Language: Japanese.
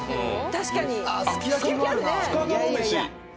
確かに。